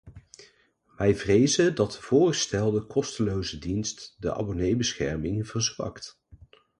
Wij vrezen dat de voorgestelde kosteloze dienst de abonneebescherming verzwakt.